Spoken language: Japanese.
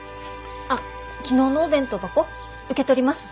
あっ昨日のお弁当箱受け取ります。